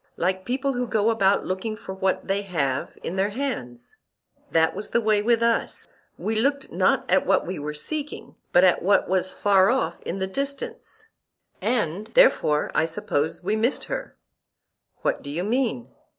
Like people who go about looking for what they have in their hands—that was the way with us—we looked not at what we were seeking, but at what was far off in the distance; and therefore, I suppose, we missed her. What do you mean?